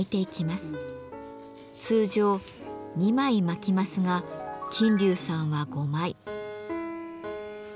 通常２枚巻きますが琴柳さんは５枚。